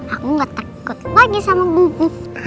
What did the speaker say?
aku gak takut lagi sama bubuk